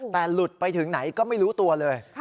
แต่หลุดไปถึงไหนก็ไม่รู้ตัวเลย